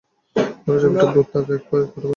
ধরা যাক, একটা ভূত থাকে এক পোড়োবাড়িতে।